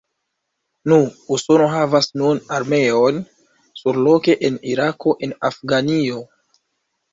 Nu, Usono havas nun armeojn surloke, en Irako, en Afganio.